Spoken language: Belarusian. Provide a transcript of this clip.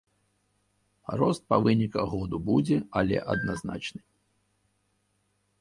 Рост па выніках году будзе, але адназначны.